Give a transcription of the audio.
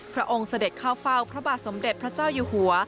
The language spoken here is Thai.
พระองค์เสด็จเข้าเฝ้าพระบาทสมเด็จพระเจ้าอยู่หัว